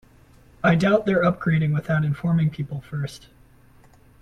I doubt they're upgrading without informing people first.